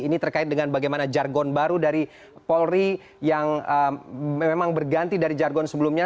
ini terkait dengan bagaimana jargon baru dari polri yang memang berganti dari jargon sebelumnya